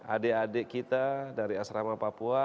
adik adik kita dari asrama papua